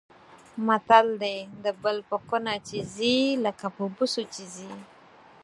متل دی: د بل په کونه چې ځي لکه په بوسو چې ځي.